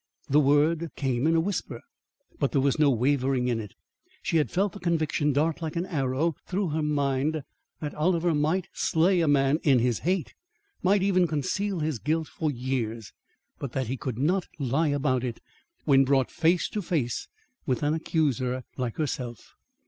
The word came in a whisper; but there was no wavering in it. She had felt the conviction dart like an arrow through her mind that Oliver might slay a man in his hate, might even conceal his guilt for years but that he could not lie about it when brought face to face with an accuser like herself.